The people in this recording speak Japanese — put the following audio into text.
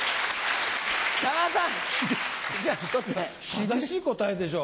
正しい答えでしょ？